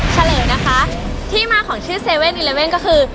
เฉลยนะคะที่มาของชื่อ๗๑๑ก็คือ